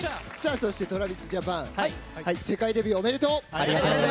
そしてＴｒａｖｉｓＪａｐａｎ世界デビューおめでとう。